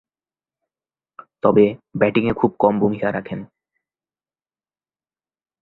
তবে, ব্যাটিংয়ে খুব কম ভূমিকা রাখেন।